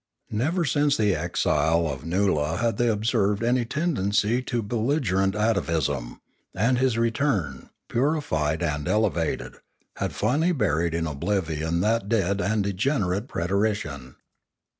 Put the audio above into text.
Never since the exile of Noola had they observed any tendency to belligerent 572 Limanora atavism; and his return, purified and elevated, bad finally buried in oblivion that dead and degenerate preterition.